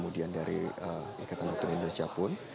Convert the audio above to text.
dari ikatan dokter indonesia pun